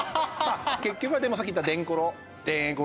結局はでもさっき言った田コロ。